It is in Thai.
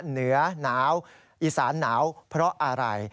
เหนือหนาวอีสานหนาวเพราะอะไร